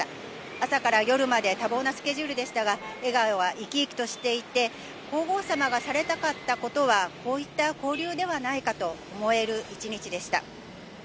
朝から夜まで多忙なスケジュールでしたが、笑顔は生き生きとしていて、皇后さまがされたかったことは、こういった交流ではないかと思える１日でした。